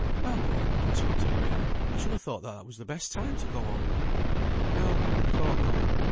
"Well, but," interrupted Mary, "I should have thought that was the best time to go home." "No, I thought not.